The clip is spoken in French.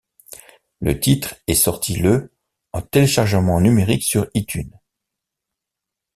Le titre est sorti le en téléchargement numérique sur iTunes.